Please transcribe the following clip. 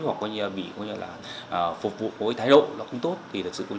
hoặc bị phục vụ với thái độ nó cũng tốt thì thật sự